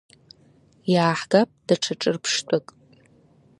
Иааҳгап даҽа ҿырԥштәык…